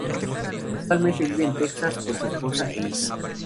Actualmente vive en Texas con su esposa e hija.